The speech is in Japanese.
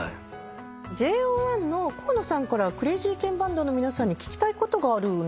ＪＯ１の河野さんからクレイジーケンバンドの皆さんに聞きたいことがあるんですよね。